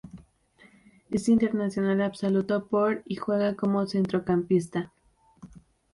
Es internacional absoluto por y juega como centrocampista.